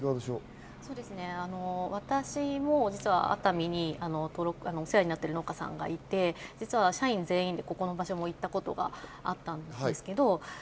私も実は熱海にお世話になっている農家さんがいて、社員全員でここの場所も行ったことがあったんです。